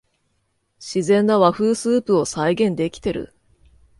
自然な和風スープを再現できてる